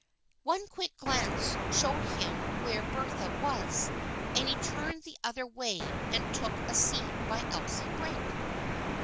One quick glance showed him where Bertha was, and he turned the other way and took a seat by Elsie Brent.